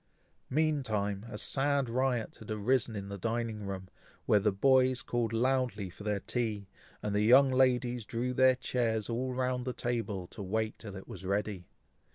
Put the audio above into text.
Mean time, a sad riot had arisen in the dining room, where the boys called loudly for their tea; and the young ladies drew their chairs all round the table, to wait till it was ready.